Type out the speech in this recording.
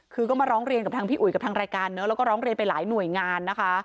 คือก็มาร้องเรียนกับทางพี่อุ๋ยกับทางรายการเนอะแล้วก็ร้องเรียนไปหลายหน่วยงานนะคะ